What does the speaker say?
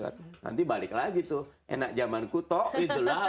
nanti balik lagi tuh enak jamanku toh